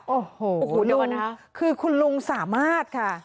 โอ้โหคุณลุงคือคุณลุงสามารถค่ะ